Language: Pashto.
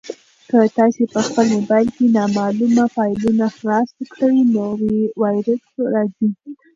که تاسي په خپل موبایل کې نامعلومه فایلونه خلاص کړئ نو ویروس راځي.